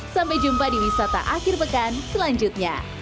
sampai jumpa di wisata akhir pekan selanjutnya